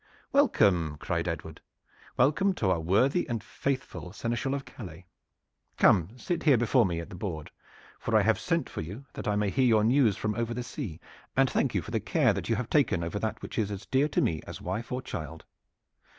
"Welcome!" cried Edward. "Welcome to our worthy and faithful Seneschal of Calais! Come, sit here before me at the board, for I have sent for you that I may hear your news from over the sea, and thank you for the care that you have taken of that which is as dear to me as wife or child.